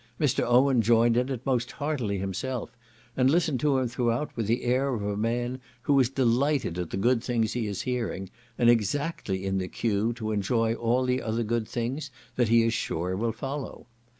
Mr. Owen joined in it most heartily himself, and listened to him throughout with the air of a man who is delighted at the good things he is hearing, and exactly in the cue to enjoy all the other good things that he is sure will follow.